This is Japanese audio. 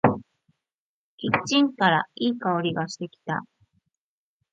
キッチンからいい香りがしてきた。